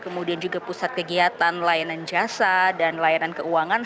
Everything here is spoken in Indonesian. kemudian juga pusat kegiatan layanan jasa dan layanan keuangan